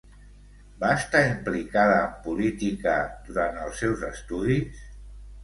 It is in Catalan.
Va estar implicada en política durant els seus estudis?